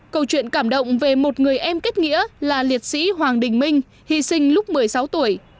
câu chuyện cảm động về một người em kết nghĩa là liệt sĩ hoàng đình minh hy sinh lúc một mươi sáu tuổi